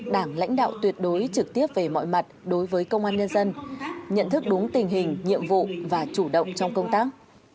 đảng lãnh đạo tuyệt đối trực tiếp về mọi mặt đối với công an nhân dân nhận thức đúng tình hình nhiệm vụ và chủ động trong công tác